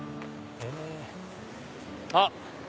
あっ！